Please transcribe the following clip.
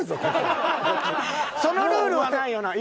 そのルールはないよな。